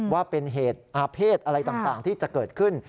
ว่าเป็นเหตุอาเภษอะไรต่างที่จะเกิดขึ้น